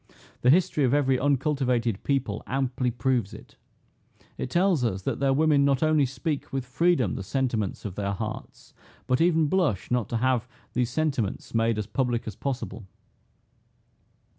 The history of every uncultivated people amply proves it. It tells us, that their women not only speak with freedom the sentiments of their hearts, but even blush not to have these sentiments made as public as possible."